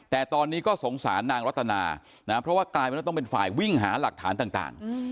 แต่ตอนนี้ก็สงสารนางรัตนาเพราะว่ากลายเป็นฝ่ายวิ่งหาหลักฐานต่าง